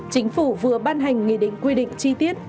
chính phủ vừa ban hành nghị định quy định chi tiết